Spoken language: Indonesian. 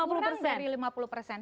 kurang dari lima puluh persen